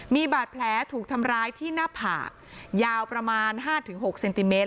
มีบาดแผลถูกทำร้ายที่หน้าผากยาวประมาณ๕๖เซนติเมต